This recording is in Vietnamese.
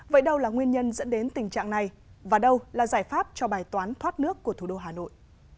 vậy đâu là nguyên nhân dẫn đến tình trạng này và đâu là giải pháp cho bài toán thoát nước của thủ đô hà nội